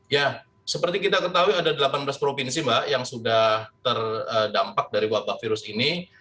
ya seperti kita ketahui ada delapan belas provinsi mbak yang sudah terdampak dari wabah virus ini